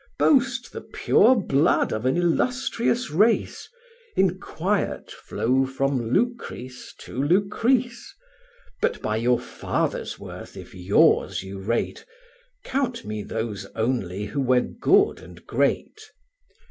Boast the pure blood of an illustrious race, In quiet flow from Lucrece to Lucrece; But by your fathers' worth if yours you rate, Count me those only who were good and great.